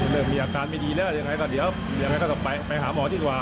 เริ่มมีอาการไม่ดีแล้วจะไปหาหมอดีกว่า